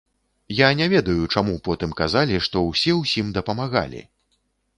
Я не ведаю, чаму потым казалі, што ўсе ўсім дапамагалі!